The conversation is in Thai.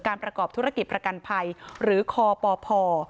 ประกอบธุรกิจประกันภัยหรือคปพ